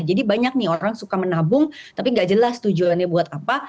jadi banyak nih orang suka menabung tapi nggak jelas tujuannya buat apa